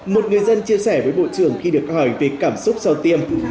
một người dân chia sẻ với bộ trưởng khi được hỏi về cảm xúc sau tiêm